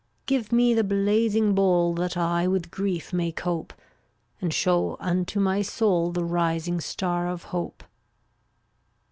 Give me the blazing bowl That I with grief may cope, And show unto my soul The rising star of hope.